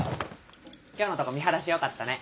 今日のとこ見晴らし良かったね。